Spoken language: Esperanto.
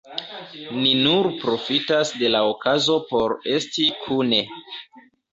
Ni nur profitas de la okazo por esti kune.